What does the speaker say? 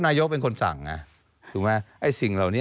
นายกเป็นคนสั่งไงถูกไหมไอ้สิ่งเหล่านี้